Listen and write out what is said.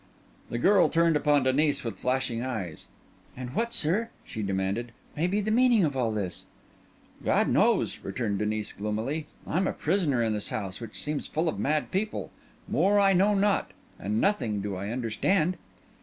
The girl turned upon Denis with flashing eyes. "And what, sir," she demanded, "may be the meaning of all this?" "God knows," returned Denis gloomily. "I am a prisoner in this house, which seems full of mad people. More I know not; and nothing do I understand."